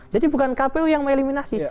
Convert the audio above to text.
jadi bukan kpu yang melarang